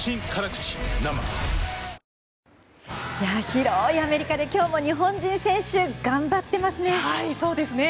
広いアメリカで今日も日本人選手頑張ってますね。